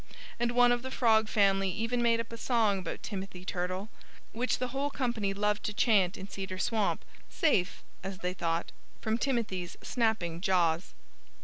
And one of the Frog family even made up a song about Timothy Turtle, which the whole company loved to chant in Cedar Swamp, safe as they thought from Timothy's snapping jaws.